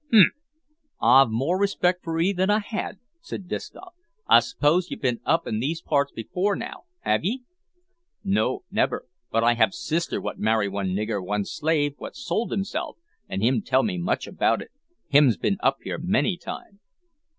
"H'm! I've more respect for 'ee than I had," said Disco. "I 'spose you've bin up in these parts before now, have 'ee?" "No, nevah, but I hab sister what marry one nigger, one slave, what sold himself, an' him tell me much 'bout it. Hims bin up here many time."